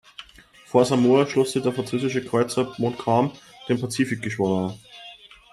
Vor Samoa schloss sich der französische Kreuzer "Montcalm" dem Pazifikgeschwader an.